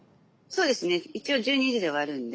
そうですね一応１２時で終わるんで。